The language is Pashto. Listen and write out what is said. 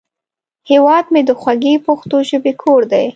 هیواد مې د خوږې پښتو ژبې کور دی